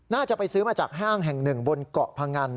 น่าจะไปซื้อมาจากห้างแห่งหนึ่งบนเกาะพงัน